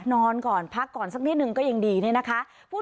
นอนก่อนพักก่อนสักนิดนึงก็ยังดีเนี่ยนะคะ